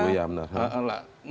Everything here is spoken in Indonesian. iya gak tertunggu ya benar